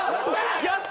やった！